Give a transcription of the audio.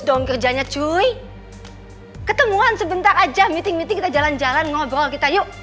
dong kerjanya cui ketemuan sebentar aja meeting meeting kita jalan jalan ngobrol kita yuk